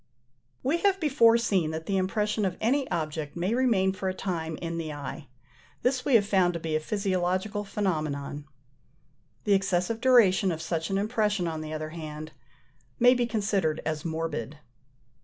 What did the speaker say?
We have before seen that the impression of any object may remain for a time in the eye: this we have found to be a physiological phenomenon (23): the excessive duration of such an impression, on the other band, may be considered as morbid.